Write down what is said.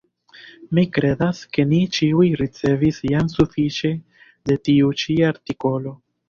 Mi kredas, ke ni ĉiuj ricevis jam sufiĉe de tiu ĉi artikolo.